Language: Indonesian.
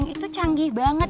hp neneng itu canggih banget